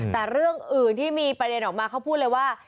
แต่เรื่องอื่นที่มีประเด็นออกมาเขาพูดเลยว่า